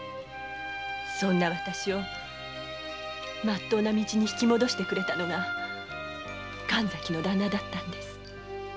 そんなわたしをまっとうな道に引き戻してくれたのが神崎のダンナだったんです。